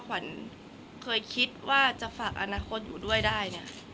ขวานเคยคิดว่าจะฝากอนาคตอยู่ด้วยได้